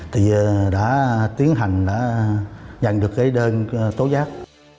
thì đã tiến hành đã nhận được cái đơn tố giác